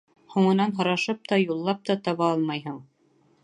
Һуңынан һорашып та, юллап та таба алмайһың.